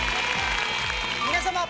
皆様！